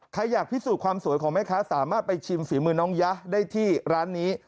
อยากพิสูจน์ความสวยของแม่ค้าสามารถไปชิมฝีมือน้องยะได้ที่ร้านนี้